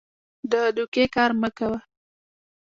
د دوکې کار مه کوه.